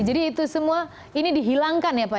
jadi itu semua ini dihilangkan ya pak ya